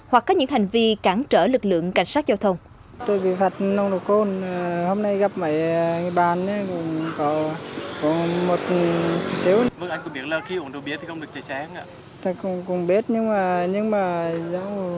hoặc có những hành vi cản trở lực lượng cảnh sát giao thông